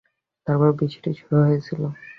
তারপর বৃষ্টি শুরু হয়েছিল।